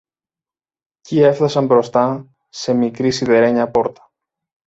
κι έφθασαν μπροστά σε μικρή σιδερένια πόρτα.